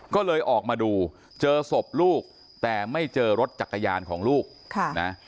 ก็เลยออกมาดูเจอศพลูกแต่ไม่เจอรถจักรยานของลูกค่ะนะ